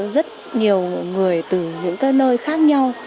rất nhiều người từ những cái nơi khác nhau